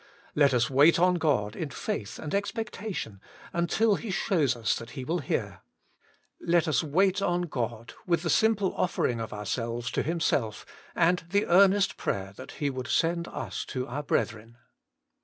Let us wait on God in faith and expectation, until He shows us that He will hear. Let us wait on God, with the simple offering of ourselves to Himself, and the earnest prayer that He would send us to our brethren.